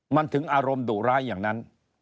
มันถึงอารมณ์ดุร้ายอย่างนั้น